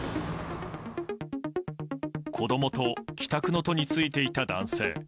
子供と帰宅の途についていた男性。